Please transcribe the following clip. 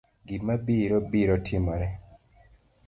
Gima biro, biro timore